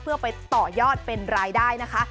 เพื่อไปต่อยอดเป็นรายได้นะคะ